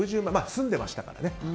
住んでましたからね。